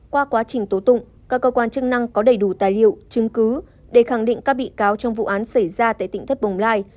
qua quá trình tố tụng các cơ quan chức năng có đầy đủ tài liệu chứng cứ để khẳng định các bị cáo trong vụ án xảy ra tại tỉnh thất bồng lai